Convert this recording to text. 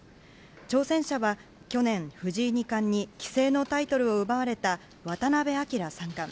挑戦者は去年、藤井二冠に棋聖のタイトルを奪われた渡辺明三冠。